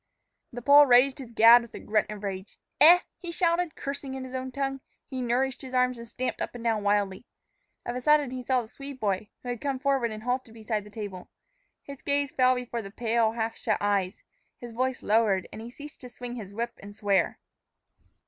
The Pole raised his gad with a grunt of rage. "Eh?" he shouted, cursing in his own tongue. He nourished his arms and stamped up and down wildly. Of a sudden he saw the Swede boy, who had come forward and halted beside the table. His gaze fell before the pale, half shut eyes, his voice lowered, and he ceased to swing his whip and swear.